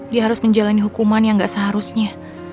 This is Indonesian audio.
dia harus menjalani hukuman yang gak seharusnya